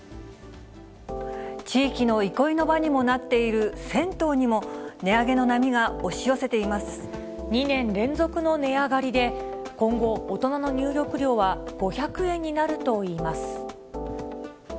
地域の憩いの場にもなっている銭湯にも、２年連続の値上がりで、今後、大人の入浴料は５００円になるといいます。